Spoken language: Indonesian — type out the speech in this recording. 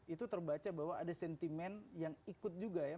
itu terbaca bahwa ada sentimen yang ikut juga ya